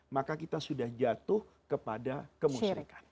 maka kita sudah jatuh kepada kemusrikan